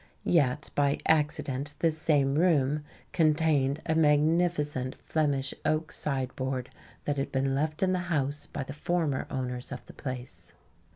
Yet by accident this same room contained a magnificent Flemish oak sideboard that had been left in the house by the former owners of the place.